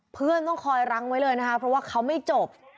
เพื่อนต้องคอยรั้งไว้เลยนะคะเพราะว่าเขาไม่จบ